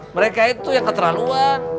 mereka itu yang keterlaluan